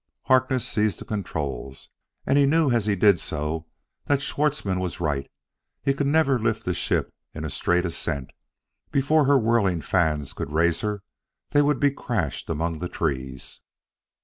Harkness seized the controls, and knew as he did so that Schwartzmann was right: he could never lift the ship in straight ascent. Before her whirling fans could raise her they would be crashed among the trees.